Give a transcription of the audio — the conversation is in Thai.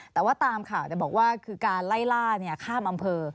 แต่ว่าตามข่าวบอกว่าคือการไล่ล่าข้ามอำเภอ